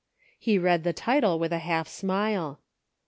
He read the title with a half smile.